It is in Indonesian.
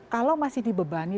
kalau masih dibebani